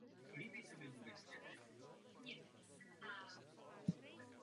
Probíhá v zářijovém a říjnovém termínu na otevřených dvorcích s tvrdým povrchem.